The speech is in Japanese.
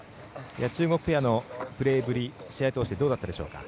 中国ペアのプレーぶり試合を通してどうだったでしょうか。